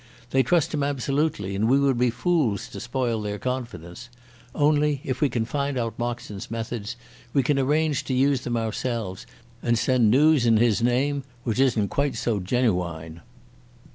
They trust him absolutely, and we would be fools to spoil their confidence. Only, if we can find out Moxon's methods, we can arrange to use them ourselves and send noos in his name which isn't quite so genooine.